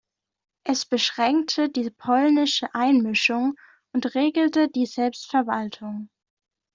Es beschränkte die "polnische Einmischung" und regelte die Selbstverwaltung.